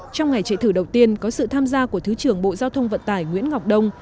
trong ngày chạy thử đầu tiên có sự tham gia của thứ trưởng bộ giao thông vận tải nguyễn ngọc đông